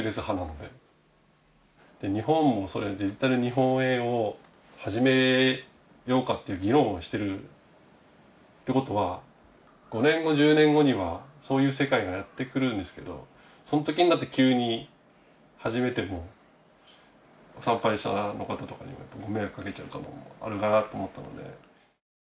で日本もそれデジタル日本円を始めようかという議論をしてるってことは５年後１０年後にはそういう世界がやってくるんですけどそのときになって急に始めても参拝者の方とかにもやっぱりご迷惑かけちゃうこともあるかなと思ったので。